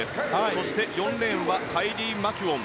そして４レーンカイリー・マキュオン。